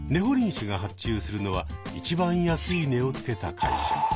ほりん市が発注するのは一番安い値をつけた会社。